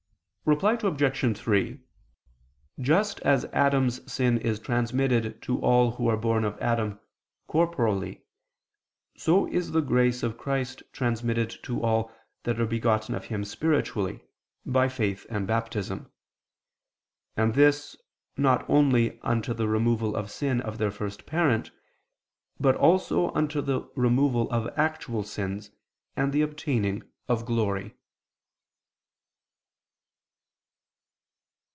Reply Obj. 3: Just as Adam's sin is transmitted to all who are born of Adam corporally, so is the grace of Christ transmitted to all that are begotten of Him spiritually, by faith and Baptism: and this, not only unto the removal of sin of their first parent, but also unto the removal of actual sins, and the obtaining of glory.